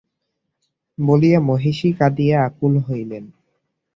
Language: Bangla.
বলিয়া মহিষী কাঁদিয়া আকুল হইলেন।